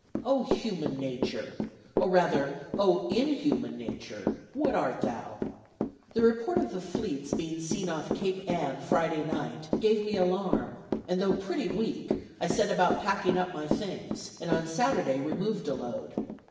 O human nature! or rather O inhuman nature! what art thou? The report of the fleet's being seen off Cape Ann Friday night gave me the alarm and though pretty weak, I set about packing up my things, and on Saturday removed a load.